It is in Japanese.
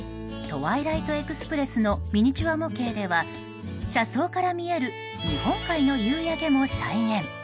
トワイライト・エクスプレスのミニチュア模型では車窓から見える日本海の夕焼けも再現。